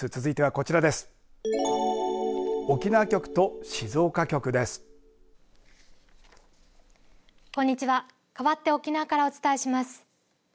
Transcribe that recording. こんにちはかわって沖縄からお伝えします。